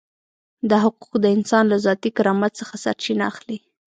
دا حقوق د انسان له ذاتي کرامت څخه سرچینه اخلي.